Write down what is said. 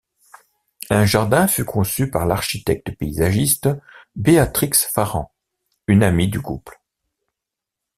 Un jardin fut conçu par l'architecte paysagiste Beatrix Farrand, une amie du couple.